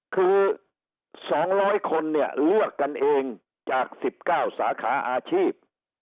คือ๒๐๐คนเนี่ยเลือกกันเองจาก๑๙สาขาอาชีพ